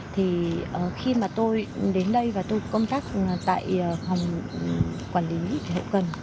thì khi mà tôi đến đây và tôi công tác tại phòng quản lý hậu cần